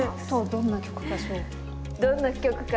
どんな曲か？